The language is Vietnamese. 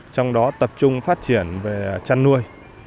trong đó tập trung phát triển về chăn nuôi